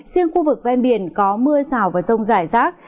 riêng khu vực ven biển có mưa rào và rông rải rác